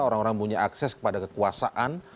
orang orang punya akses kepada kekuasaan